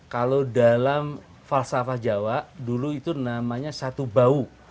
kalau dalam falsafah jawa dulu itu namanya satu bau